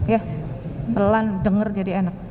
ya pelan dengar jadi enak